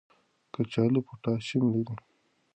کچالو پوټاشیم لري.